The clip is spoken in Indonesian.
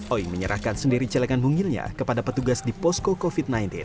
oi menyerahkan sendiri celengan mungilnya kepada petugas di posko covid sembilan belas